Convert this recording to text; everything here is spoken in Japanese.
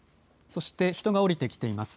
そして、人が降りてきています。